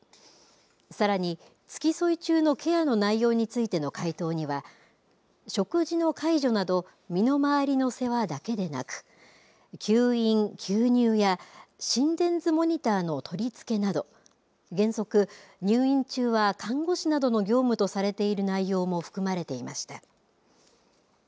さらに、付き添い中のケアの内容についての回答には食事の介助など身の回りの世話だけでなく吸引・吸入や心電図モニターの取り付けなど原則、入院中は看護師などの業務とされている内容も含まれていました。